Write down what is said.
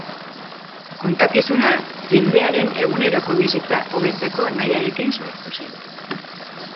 Kontakizuna jendearen eguneroko bizitza hobetzeko nahiarekin sortu zen.